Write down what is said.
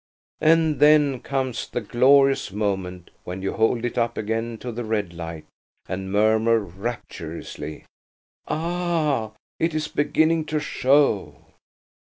And then comes the glorious moment when you hold it up again to the red light, and murmur rapturously, "Ah! it is beginning to show!"